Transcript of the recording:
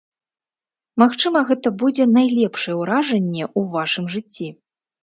Магчыма, гэта будзе найлепшае ўражанне ў вашым жыцці.